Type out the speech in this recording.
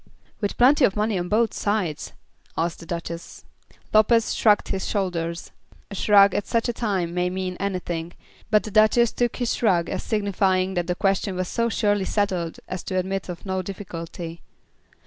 "With plenty of money on both sides?" asked the Duchess. Lopez shrugged his shoulders. A shrug at such a time may mean anything, but the Duchess took this shrug as signifying that the question was so surely settled as to admit of no difficulty.